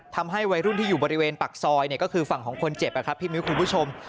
ทำให้วัยรุ่นที่อยู่บริเวณปากซอยก็คือฝั่งของคนเจ็บพี่มิ้วคุณผู้ชม